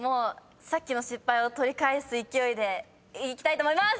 さっきの失敗を取り返す勢いでいきたいと思います！